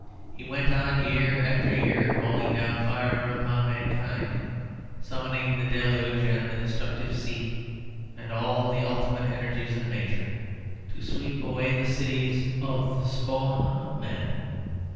He went on year after year calling down fire upon mankind, summoning the deluge and the destructive sea and all the ultimate energies of nature to sweep away the cities of the spawn of man.